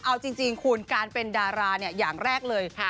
เอาจริงคุณการเป็นดาราเนี่ยอย่างแรกเลย